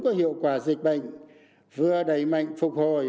có hiệu quả dịch bệnh vừa đẩy mạnh phục hồi